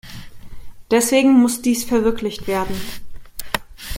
Deswegen muss dies verwirklicht werden.